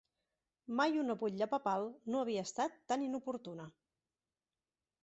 Mai una butlla papal no havia estat tan inoportuna.